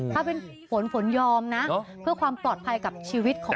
ถ้าเป็นฝนฝนยอมนะเพื่อความปลอดภัยกับชีวิตของ